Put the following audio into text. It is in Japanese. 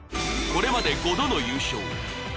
これまで５度の優勝。